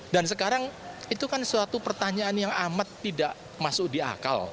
dan sekarang itu kan suatu pertanyaan yang amat tidak masuk di akal